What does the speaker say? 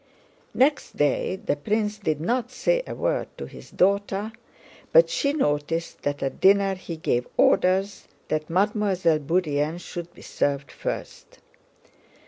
Next day the prince did not say a word to his daughter, but she noticed that at dinner he gave orders that Mademoiselle Bourienne should be served first.